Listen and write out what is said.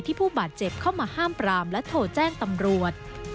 ผู้บาดเจ็บเข้ามาห้ามปรามและโทรแจ้งตำรวจ